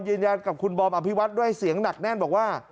ยืนยันกับคุณบอมอภิวัตด้วยเสียงหนักแน่นบอกว่า